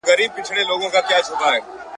را تاو سوی لکه مار پر خزانه وي ..